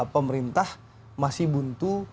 pemerintah masih buntu